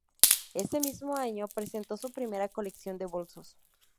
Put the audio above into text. Ese mismo año presentó su primera colección de bolsos.